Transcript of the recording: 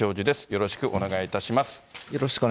よろしくお願いします。